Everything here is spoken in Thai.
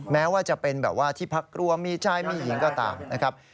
แม้ว่าจะเป็นแบบว่าที่พักกลัวมีชายมีหญิงก็ตามนะครับ